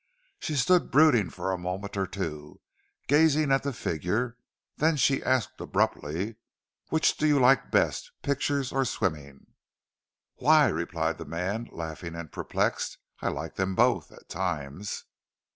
She stood brooding for a moment or two, gazing at the figure. Then she asked, abruptly, "Which do you like best, pictures or swimming?" "Why," replied the man, laughing and perplexed, "I like them both, at times."